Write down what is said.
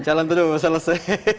jalan terus selesai